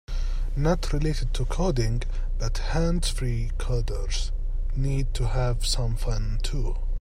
Not related to coding, but hands-free coders need to have some fun too.